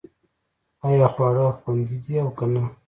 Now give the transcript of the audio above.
ایا خواړه خوندي دي او که نه